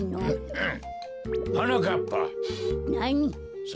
うん。